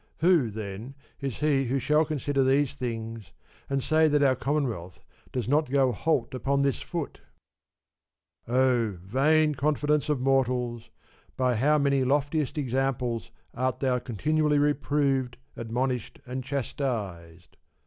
Who, then, is he who shall consider these things and say that our Commonwealth doth not go halt upon this foot ? Oh, vain confidence of mortals, by how many loftiest examples art thou continually reproved, ad monished and chastised